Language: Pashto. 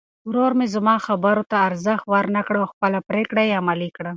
ورور مې زما خبرو ته ارزښت ورنه کړ او خپله پرېکړه یې عملي کړه.